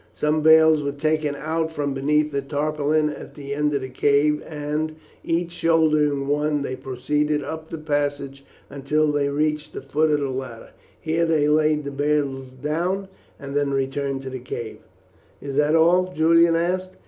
Some bales were taken out from beneath a tarpaulin at the end of the cave, and, each shouldering one, they proceeded up the passage until they reached the foot of the ladder. Here they laid the bales down, and then returned to the cave. "Is that all?" Julian asked.